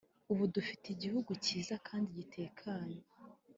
ubu dufite Igihugu kiza kandi gitekanye